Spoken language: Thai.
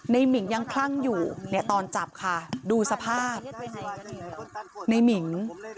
หมิ่งยังคลั่งอยู่เนี่ยตอนจับค่ะดูสภาพในหมิง